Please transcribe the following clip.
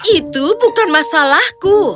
itu bukan masalahku